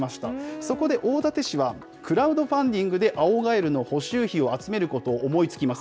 そこで大館市は、クラウドファンディングで青ガエルの補修費を集めることを思いつきます。